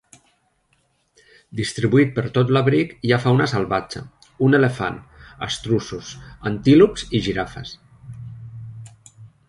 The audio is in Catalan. Distribuït per tot l'abric hi ha fauna salvatge: un elefant, estruços, antílops i girafes.